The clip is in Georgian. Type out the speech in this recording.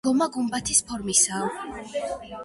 გომა გუმბათის ფორმისაა.